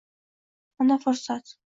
Mana fursat